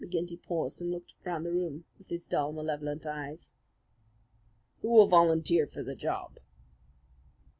McGinty paused and looked round the room with his dull, malevolent eyes. "Who will volunteer for the job?"